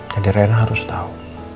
jadi reyna harus tau